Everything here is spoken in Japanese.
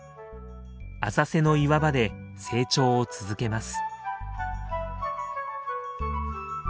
浅瀬の岩場で成長を続けます。